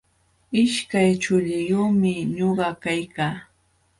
Ishkay chuliyumi ñuqa kaykaa.